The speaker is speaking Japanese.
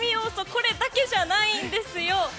これだけじゃないんですよ。